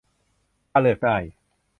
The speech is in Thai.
ถ้าเลือกได้